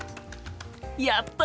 やった！